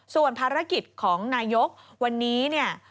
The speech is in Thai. ส่วนภารกิจของนายกวันนี้เนี่ย